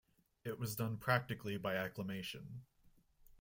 It was done practically by acclamation.